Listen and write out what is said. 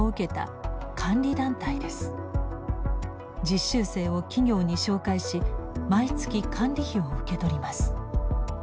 実習生を企業に紹介し毎月監理費を受け取ります。